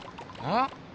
ん？